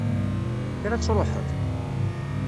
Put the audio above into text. Kker ad truḥeḍ!